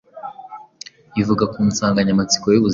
ivuga ku nsanganyamatsiko y’ubuzima.